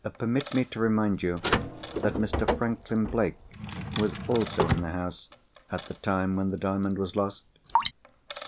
Permit me to remind you that Mr. Franklin Blake was also in the house at the time when the Diamond was lost."